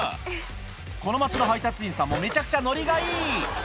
この町の配達員さんもめちゃくちゃノリがいい